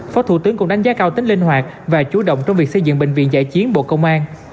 phó thủ tướng cũng đánh giá cao tính linh hoạt và chú động trong việc xây dựng bệnh viện giải chiến bộ công an